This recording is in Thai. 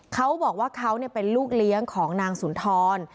เค้าบอกว่าเค้าเนี่ยเป็นลูกเลี้ยงของนางสุนทร